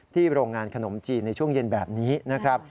โรงงานขนมจีนในช่วงเย็นแบบนี้นะครับ